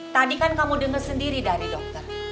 tadi kan kamu dengar sendiri dari dokter